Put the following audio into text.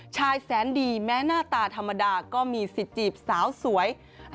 ชายแสนดีแม้หน้าตาธรรมดาก็มีสิทธิ์จีบสาวสวย